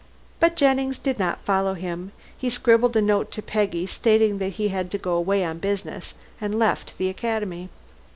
But Jennings did not follow him. He scribbled a note to Peggy, stating that he had to go away on business, and left the Academy.